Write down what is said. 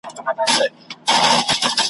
اورېدلي مي دي چي انسان ,